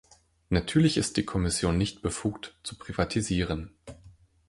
Natürlich ist die Kommission nicht befugt, zu privatisieren.